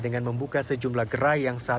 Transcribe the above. dengan membuka sejumlah gerai yang saat ini tidak ada